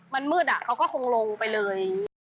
มันมืดเขาก็คงลงไปเลย